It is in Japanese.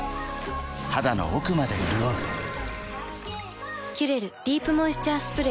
肌の奥まで潤う「キュレルディープモイスチャースプレー」